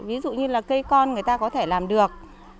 ví dụ như là cây con người ta có thể làm được